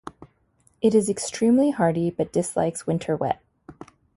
It is extremely hardy but dislikes winter wet.